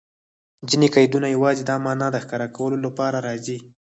ځیني قیدونه یوازي د مانا د ښکاره کولو له پاره راځي.